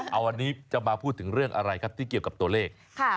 เอาวันนี้จะมาพูดถึงเรื่องอะไรครับที่เกี่ยวกับตัวเลข